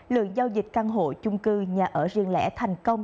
lượng giao dịch căn hộ chung cư nhà ở riêng lẻ thành công